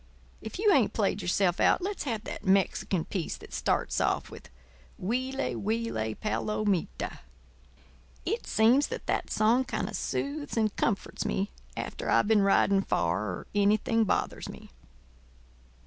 If you ain't played yourself out, let's have that Mexican piece that starts off with: 'Huile, huile, palomita.' It seems that that song always kind of soothes and comforts me after I've been riding far or anything bothers me."